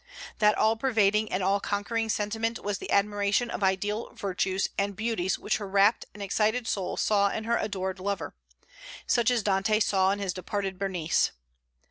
That all pervading and all conquering sentiment was the admiration of ideal virtues and beauties which her rapt and excited soul saw in her adored lover; such as Dante saw in his departed Beatrice.